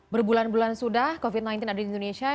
berbulan bulan sudah covid sembilan belas ada di indonesia